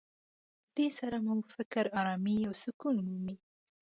په دې سره مو فکر ارامي او سکون مومي.